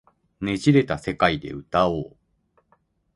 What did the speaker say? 捻れた世界で歌おう